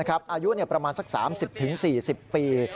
อายุประมาณสัก๓๐๔๐ปี